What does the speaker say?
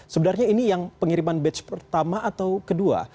sebenarnya ini yang pengiriman batch pertama atau kedua